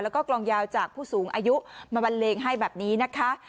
แล้วก็กลองยาวจากผู้สูงอายุมาบันเลงให้แบบนี้นะคะ